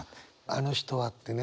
あの人はってね。